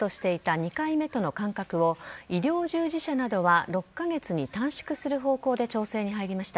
２回目との間隔を医療従事者などは６カ月に短縮する方向で調整に入りました。